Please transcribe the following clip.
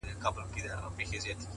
قناعت د شتمن زړه نښه ده